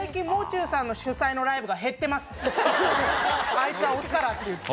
あいつは押すからっていって。